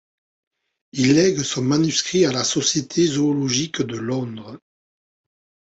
Il lègue son manuscrit à la Société zoologique de Londres.